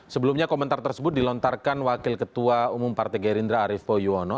sebelumnya komentar tersebut dilontarkan wakil ketua umum partai gerindra arief poyuono